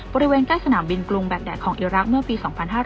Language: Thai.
บริเวณใกล้สนามบินกรุงแบบแดดของอิรักษ์เมื่อปี๒๕๕๙